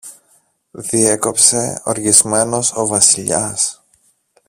διέκοψε οργισμένος ο Βασιλιάς.